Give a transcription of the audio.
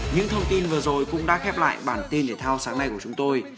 những thông tin vừa rồi cũng đã khép lại bản tin thể thao sáng nay của chúng tôi